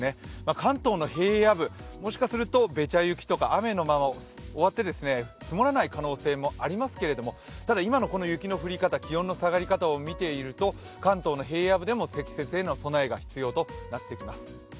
関東の平野部、もしかするとべちゃ雪とか雨のまま終わって積もらない可能性もありますけど、ただ今の雪の降り方、気温の下がり方を見ていると関東の平野部でも積雪への備えが必要となってきます。